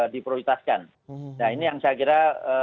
diprioritaskan nah ini yang saya kira